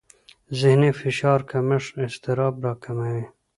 ذهني فشار کمښت اضطراب راکموي.